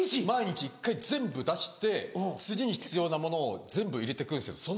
毎日１回全部出して次に必要なものを全部入れてくんですよ。